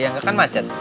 iya gak akan macet